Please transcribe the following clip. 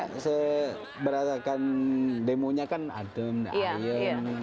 karena berdasarkan demo nya kan ada adam dan arium